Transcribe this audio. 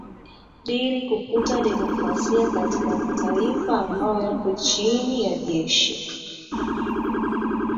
dri kukuta demokrasia katika mataifa ambayo yapo chini ya jeshi